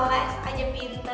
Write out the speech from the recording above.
kalian pilih bebeknya aja